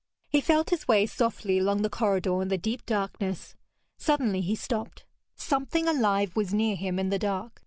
He felt his way softly along the corridor in the deep darkness. Suddenly he stopped. Something alive was near him in the dark.